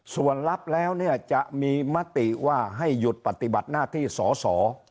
ส่วนรับแล้วเนี่ยจะมีมติว่าให้หยุดปฏิบัติหน้าที่สอสอ